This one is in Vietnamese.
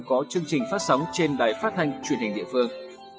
có chương trình phát sóng trên đài phát thanh truyền hình địa phương